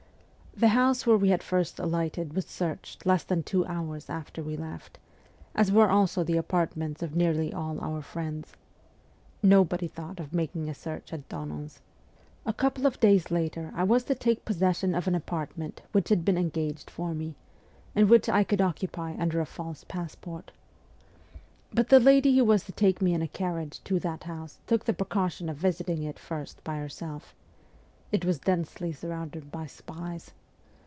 The house where we had first ah'ghted was searched less than two hours after we left, as were also the apartments of nearly all our friends. Nobody thought of making a search at Donon's. VOL. n. N 178 MEMOIRS OF A REVOLUTIONIST A couple of days later I was to take possession of an apartment which had been engaged for me, and which I could occupy under a false passport. But the lady who was to take me in a carriage to that house took the precaution of visiting it first by herself. It was densely surrounded by spies.